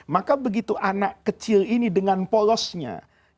maka begitu anak kecil ini dengan polosnya